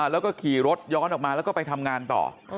แล้วก็ขี่รถย้อนออกมาแล้วก็ไปทำงานต่อ